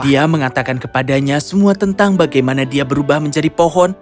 dia mengatakan kepadanya semua tentang bagaimana dia berubah menjadi pohon